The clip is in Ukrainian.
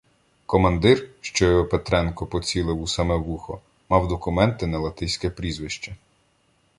Командир, що його Петренко поцілив у саме вухо, мав документи на латиське прізвище.